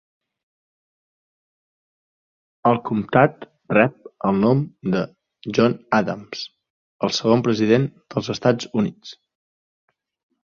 El comtat rep el nom de John Adams, el segon president dels Estats Units.